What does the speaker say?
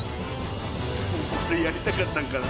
これやりたかったんかな？